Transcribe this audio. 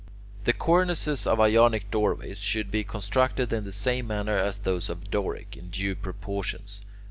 The cornices of Ionic doorways should be constructed in the same manner as those of Doric, in due proportions.